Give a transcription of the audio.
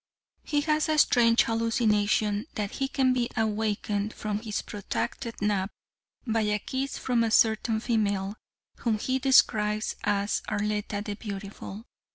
He has a strange hallucination that he can be awakened from his protracted nap by a kiss from a certain female, whom he describes as Arletta the Beautiful.